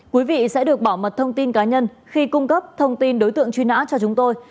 quý vị sẽ được bảo mật thông tin cá nhân khi cung cấp thông tin đối tượng truy nã cho chúng tôi